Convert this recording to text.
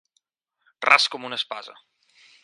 Ras com una espasa.